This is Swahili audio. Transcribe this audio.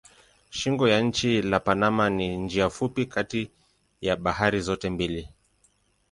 Shingo ya nchi la Panama ni njia fupi kati ya bahari zote mbili.